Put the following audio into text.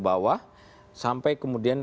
bawah sampai kemudian